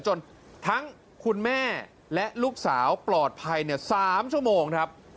จนทั้งคุณแม่และลูกสาวปลอดภัย๓ชั่วโมงครับ